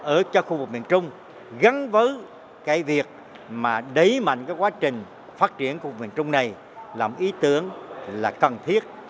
ở cho khu vực miền trung gắn với cái việc mà đẩy mạnh cái quá trình phát triển của miền trung này là một ý tưởng là cần thiết